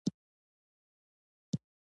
مینه وکړی مینه ښه ده.